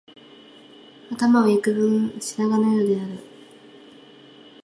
頭はいくぶん白髪のようである